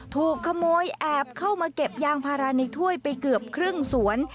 ถูกขโมยแอบเข้ามาเก็บยางพาราในถ้วยไปเกือบครึ่งสวน